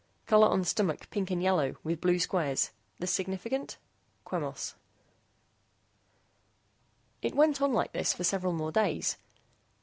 COLOR ON STOMACH PINK AND YELLOW WITH BLUE SQUARES. THIS SIGNIFICANT? QUEMOS It went on like this for several more days.